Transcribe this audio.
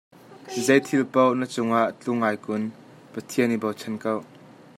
Zei thil poh na cungah tlung ai kun, Pathian i bochan ko.